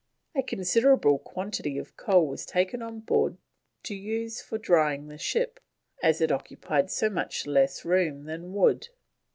A considerable quantity of coal was taken on board to use for drying the ship, as it occupied so much less room than wood.